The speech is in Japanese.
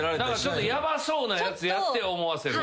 ちょっとヤバそうなやつやって思わせる。